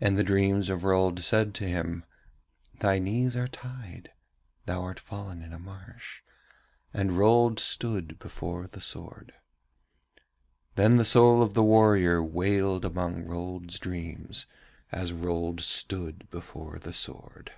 And the dreams of Rold said to him: 'Thy knees are tied, thou art fallen in a marsh,' and Rold stood still before the sword. Then the soul of the warrior wailed among Rold's dreams, as Rold stood before the sword.